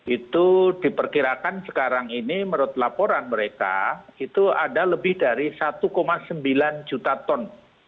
itu diperkirakan sekarang ini menurut laporan mereka itu ada lebih dari satu sembilan juta ton